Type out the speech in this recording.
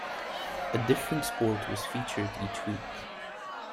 A different sport was featured each week.